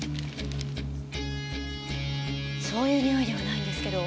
そういう臭いではないんですけど。